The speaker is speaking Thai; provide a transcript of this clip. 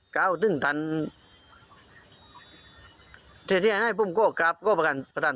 กล่าวถึงท่านเสียหายก็ต้องขอโทษ